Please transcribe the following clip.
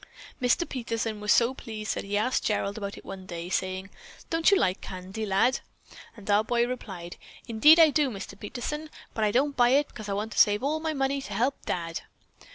Mr. Peterson was so pleased that he asked Gerald about it one day, saying: 'Don't you like candy, lad?' And our boy replied: 'Indeed I do, Mr. Peterson! I don't buy it because I want to save all my money to help Dad.'